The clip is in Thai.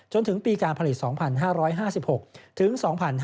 จนถึงปีการผลิต๒๕๕๖ถึง๒๕๕๙